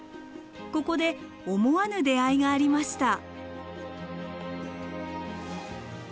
ここで思わぬ出会いがありました。